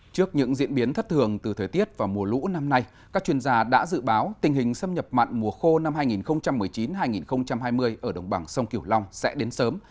trước những diễn biến thất thường từ thời tiết và mùa lũ năm nay các chuyên gia đã dự báo tình hình xâm nhập mặn mùa khô năm hai nghìn một mươi chín hai nghìn hai mươi ở đồng bằng sông kiểu long sẽ đến sớm